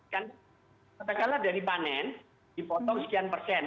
katakanlah dari panen dipotong sekian persen